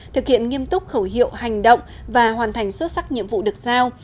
thực hiện nghiêm túc khẩu hiệu hành động và hoàn thành xuất sắc nhiệm vụ được giao